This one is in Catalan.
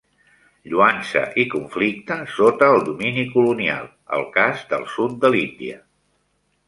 Lloança i conflicte sota el domini colonial: el cas del sud de l'Índia.